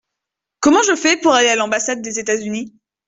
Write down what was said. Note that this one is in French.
Comment je fais pour aller à l’ambassade des États-Unis ?